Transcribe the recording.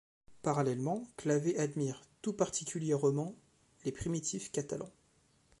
Parallèlement, Clavé admire tout particulièrement les primitifs catalans.